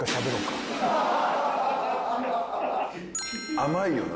甘いよな。